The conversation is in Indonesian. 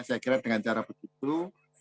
saya kira dengan cara begitu